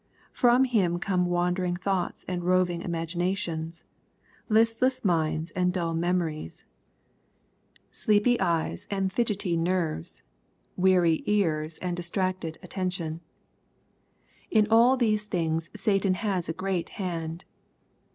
From him come wandering thoughts and roving imagi nations^— listless minds and dull memories, — sleepy eyes LUKB^ CHAP. VIII. 251 and fidgetty nerves, weary ears and distracted attention. In all these things Satan has a great hand.